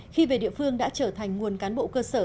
khi về địa phương đã trở thành nguồn cán bộ cơ sở